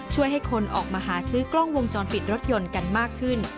ช่วยให้คนออกมาหาซื้อกล้องวงจรปิดรถยนต์กันมากขึ้น